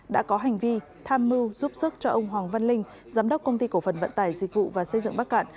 đã có hành vi tham mưu giúp sức cho ông hoàng văn linh giám đốc công ty cổ phần vận tải dịch vụ và xây dựng bắc cạn